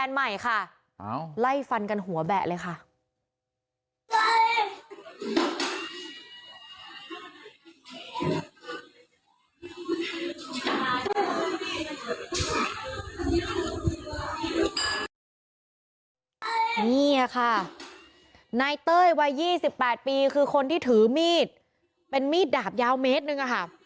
นี่ค่ะนายเต้ยวัย๒๘ปีคือคนที่ถือมีดเป็นมีดดาบยาวเมตรหนึ่งค่ะ